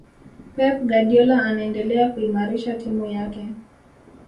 pep guardiola anaendelea kuimarisha timu yake